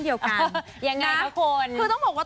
แต่มีนักแสดงคนนึงเดินเข้ามาหาผมบอกว่าขอบคุณพี่แมนมากเลย